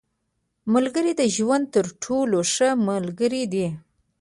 • ملګری د ژوند تر ټولو ښه ملګری دی.